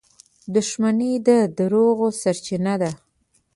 • دښمني د دروغو سرچینه ده.